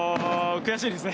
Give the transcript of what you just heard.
悔しいですね。